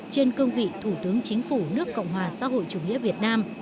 trên cương vị thủ tướng chính phủ nước cộng hòa xã hội chủ nghĩa việt nam